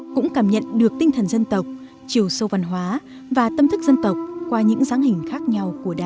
cũng cảm nhận được tinh thần dân tộc chiều sâu văn hóa và tâm thức dân tộc qua những dáng hình khác nhau của đảng